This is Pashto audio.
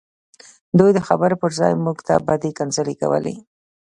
دوی د خبرو پرځای موږ ته بدې کنځلې کولې